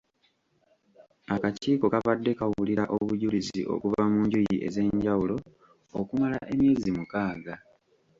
Akakiiko kabadde kawulira obujulizi okuva mu njuyi ez’enjawulo okumala emyezi mukaaga.